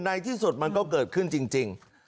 ในที่สุดมันก็เกิดขึ้นจริง